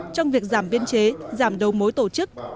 trong việc giảm biên chế giảm đầu mối tổ chức